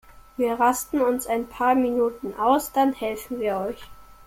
Wir rasten uns ein paar Minuten aus, dann helfen wir euch.